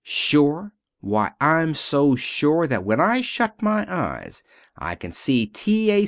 "Sure? Why, I'm so sure that when I shut my eyes I can see T. A.